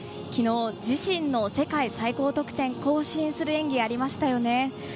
きのう、自身の世界最高得点を更新する演技がありましたよね。